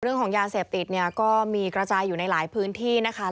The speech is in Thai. เรื่องของยาเสพติดเนี่ยก็มีกระจายอยู่ในหลายพื้นที่นะคะ